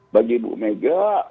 bagi bu mega